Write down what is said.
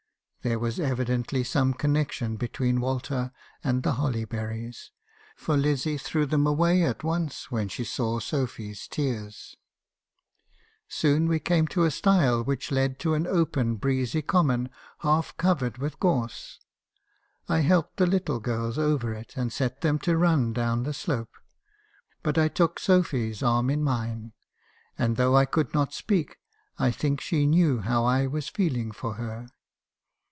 Theje was evidently some connection between Walter and the holly berries, for Lizzie threw them away at once when she saw Sophy's tears. Soon we came to a stile which led to an open breezy common, half covered with gorse. I helped the little girls over it, and set them to run down the slope ; but I took Sophy's arm in mine, and though I could not speak , I think she knew how I was feeling for her.